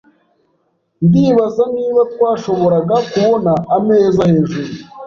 Ndibaza niba twashoboraga kubona ameza hejuru.